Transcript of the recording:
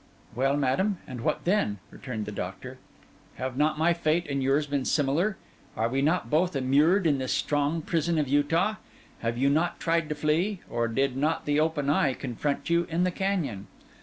'Well, madam, and what then?' returned the doctor. 'Have not my fate and yours been similar? Are we not both immured in this strong prison of Utah? Have you not tried to flee, and did not the Open Eye confront you in the canyon?